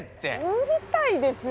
うるさいですよ！